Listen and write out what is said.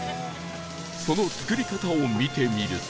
その作り方を見てみると